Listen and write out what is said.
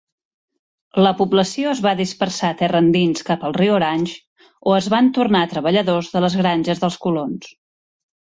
La població es va dispersar terra endins cap al riu Orange o es van tornar treballadors de les granges dels colons.